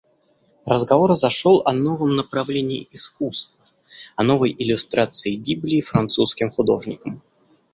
Разговор зашел о новом направлении искусства, о новой иллюстрации Библии французским художником.